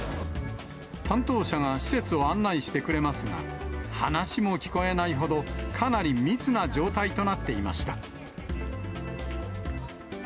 担当者が施設を案内してくれますが、話も聞こえないほど、かなり密な状態となっていました。